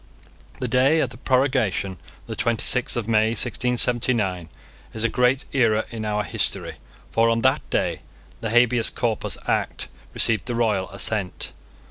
The day of that prorogation, the twenty sixth of May, 1679, is a great era in our history. For on that day the Habeas Corpus Act received the royal assent.